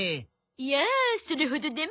いやそれほどでも。